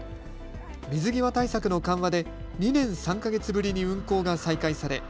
水際対策の緩和で２年３か月ぶりに運航が再開され